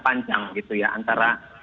panjang gitu ya antara